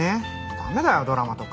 駄目だよドラマとか。